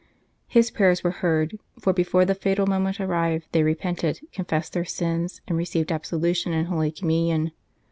His prayers were heard, for before the fatal moment arrived they repented, confessed their sins, and received absolution and Holy Communion.